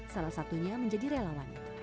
salah satunya menjadi relawan